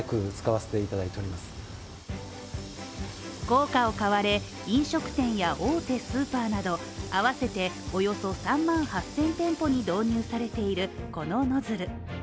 効果を買われ、飲食店や大手スーパーなど合わせておよそ３万８０００店舗に導入されているこのノズル。